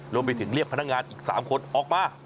รวมไปถึงเรียกพนักงานอีก๓คนออกมา